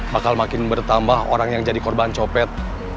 bakal makin bertambah orang yang jadi korban copet